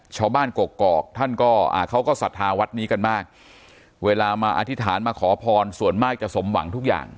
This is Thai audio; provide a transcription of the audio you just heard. ชาวบ้านกกอกท่านก็เขาก็ศรัทธาวัดนี้กันมากเวลามาอธิษฐานมาขอพรส่วนมากจะสมหวังทุกอย่าง